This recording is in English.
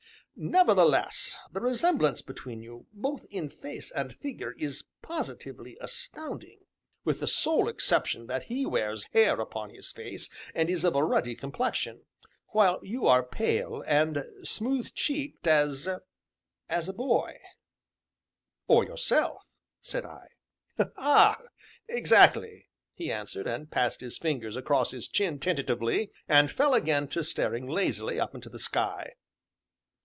"Nevertheless, the resemblance between you, both in face and figure, is positively astounding! With the sole exception that he wears hair upon his face, and is of a ruddy complexion, while you are pale, and smooth smooth cheeked as as a boy " "Or yourself!" said I. "Ah exactly!" he answered, and passed his fingers across his chin tentatively, and fell again to staring lazily up into the sky.